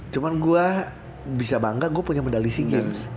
cuma gue bisa bangga gue punya medali sea games